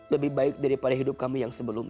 lebih baik daripada hidup kami yang sebelumnya